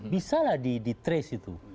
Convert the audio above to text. bisa lah di trace itu